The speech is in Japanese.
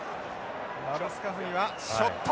ラブスカフニはショット。